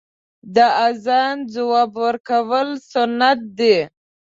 د اذان ځواب ورکول سنت دی .